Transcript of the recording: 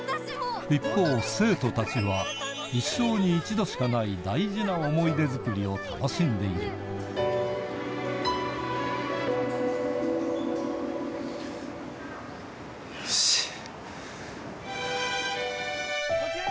一方生徒たちは一生に一度しかない大事な思い出づくりを楽しんでいるよし。